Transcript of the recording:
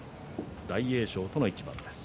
大栄翔との一番です。